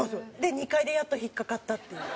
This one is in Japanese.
２階でやっと引っかかったっていう。